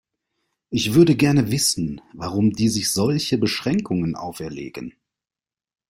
Ich würde gerne wissen, warum die sich solche Beschränkungen auferlegen.